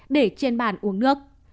để trên bàn uống nước